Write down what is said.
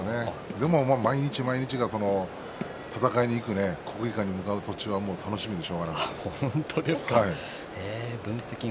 でも毎日毎日、戦いにいく国技館に行く途中は楽しみでしょうがなかったですね。